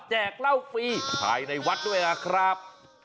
เหล้าฟรีภายในวัดด้วยนะครับ